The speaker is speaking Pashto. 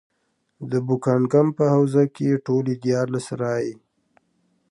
د بوکنګهم په حوزه کې ټولې دیارلس رایې.